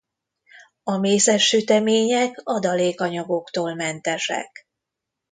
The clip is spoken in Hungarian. A mézes sütemények adalékanyagoktól mentesek.